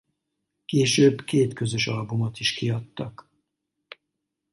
Később két közös albumot is kiadtak.